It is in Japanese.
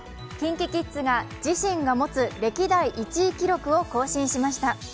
ＫｉｎＫｉＫｉｄｓが自身が持つ歴代１位記録を更新しました。